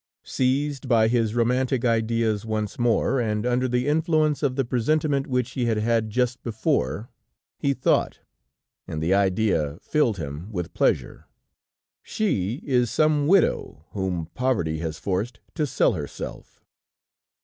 Seized by his romantic ideas once more, and under the influence of the presentiment which he had had just before, he thought and the idea filled him with pleasure: "She is some widow, whom poverty has forced to sell herself."